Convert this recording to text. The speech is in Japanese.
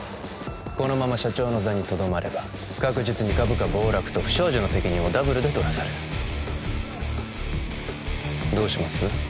このまま社長の座にとどまれば確実に株価暴落と不祥事の責任をダブルで取らされるどうします？